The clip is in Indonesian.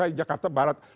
masa jakarta barat